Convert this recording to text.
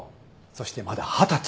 そしてまだ二十歳。